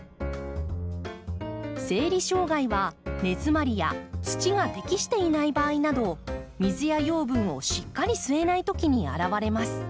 生理障害は根づまりや土が適していない場合など水や養分をしっかり吸えないときに現れます。